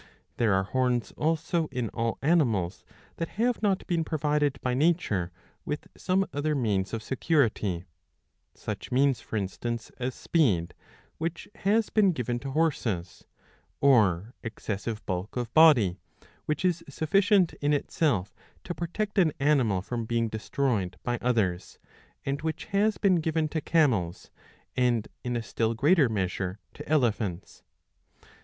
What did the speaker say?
There are horns also in all animals that have not been provided by nature with some other means of security ; such means for instance as speed, which has been given to horses ; or excessive bulk of body, which is sufficient in itself to protect an animal from being destroyed by others and which has been given to camels, and in a still greater measure to elephants.